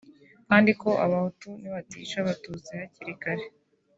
kandi ko abahutu nibatica abatutsi hakiri kare